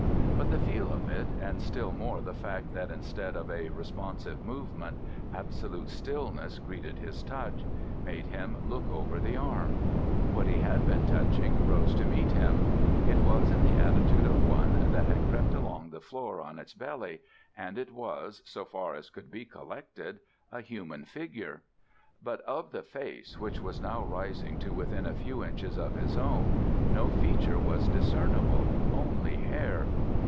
But the feel of it, and still more the fact that instead of a responsive movement, absolute stillness greeted his touch, made him look over the arm. What he had been touching rose to meet him. It was in the attitude of one that had crept along the floor on its belly, and it was, so far as could be collected, a human figure. But of the face which was now rising to within a few inches of his own no feature was discernible, only hair.